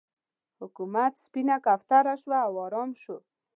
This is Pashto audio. حکومت سپینه کوتره شو او ارام شو.